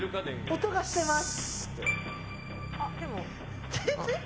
音がしてます。